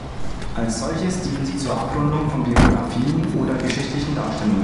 Als solches dienen sie zur Abrundung von Biografien oder geschichtlichen Darstellungen.